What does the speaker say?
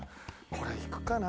これいくかな。